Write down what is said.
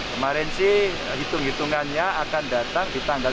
kemarin sih hitung hitungannya akan datang di tanggal tiga puluh